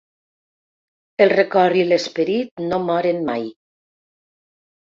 El record i l’esperit no moren mai.